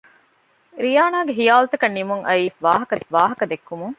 ރިޔާނާގެ ހިޔާލުތަކަށް ނިމުން އައީ ޒާއިފް ވާހަކަ ދެއްކުމުން